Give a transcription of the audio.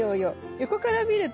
横から見ると。